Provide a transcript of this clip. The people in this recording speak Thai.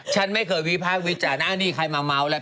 ฉันไม่เกิดวิพาควิจันอ่ะนี่ใครมาเมาทำลาย